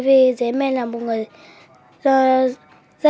vì dế mèn là một người rất thân thân rất thân thân